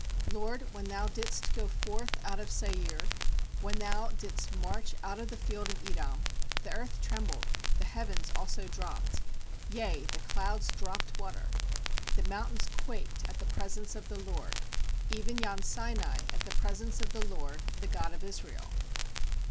4LoRD, when Thou didst go forth out of Seir, When Thou didst march out of the field of Edom, The earth trembled, the heavens also dropped, Yea, the clouds dropped water. The mountains quaked at the pres ence of the LORD, Even yon Sinai at the presence of the LORD, the God of Israel.